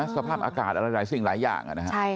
สภาพอากาศอีกหลายอย่าง